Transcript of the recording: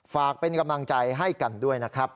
ฝากเป็นกำลังใจให้กันด้วยนะครับ